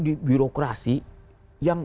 di birokrasi yang